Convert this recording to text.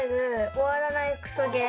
終わらないクソゲー。